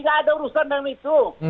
nggak ada urusan dengan itu